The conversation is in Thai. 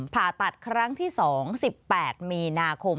ผ่าตัดครั้งที่๒๑๘มีนาคม